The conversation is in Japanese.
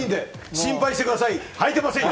心配してくださいはいてませんよ！